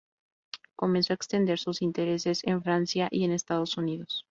Comenzó a extender sus intereses en Francia y en Estados Unidos.